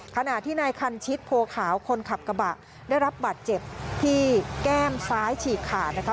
ขณะที่นายคันชิดโพขาวคนขับกระบะได้รับบาดเจ็บที่แก้มซ้ายฉีกขาดนะคะ